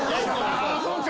あそうか！